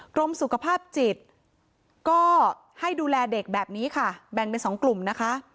กรมสุขภาพจิตก็ให้ดูแลเด็กแบบนี้ค่ะแบ่งเป็น๒กลุ่มนะคะ